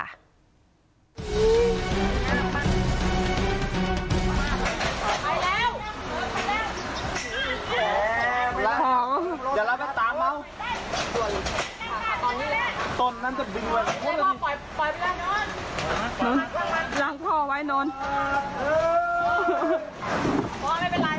เห็นทุกคนช่วยไอ้น้ำท่าจริง